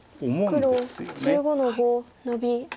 黒１５の五ノビ。